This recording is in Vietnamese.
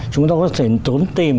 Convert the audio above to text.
chúng tôi có thể trốn tìm